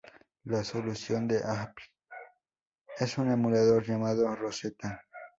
La solución de Apple es un emulador llamado Rosetta.